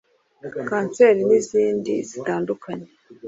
kanseri n’izindi zitandukanye